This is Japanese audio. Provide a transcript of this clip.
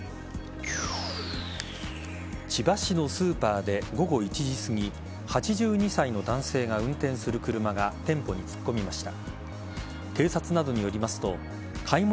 千葉市のスーパーで午後１時すぎ８２歳の男性が運転する車が店舗に突っ込みました。